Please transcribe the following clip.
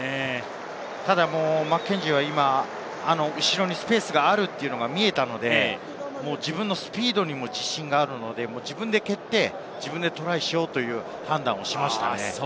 ただマッケンジーは後ろにスペースがあるというのが見えたので、自分のスピードにも自信があるので、自分で蹴って自分でトライをしようという判断をしましたね。